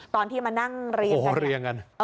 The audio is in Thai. ตอนที่มานั่งเรียนกัน